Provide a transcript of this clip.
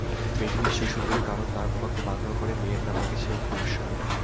মেয়েটি নিশ্চয়ই সুন্দরী, কারণ তার বাবা খুব আগ্রহ করে মেয়ের নাম রেখেছে ফুলেশ্বরী।